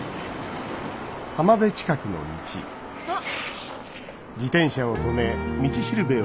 あっ！